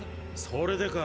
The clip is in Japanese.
それでか。